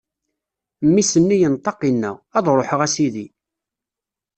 Mmi-s-nni yenṭeq, inna: Ad ṛuḥeɣ, a sidi!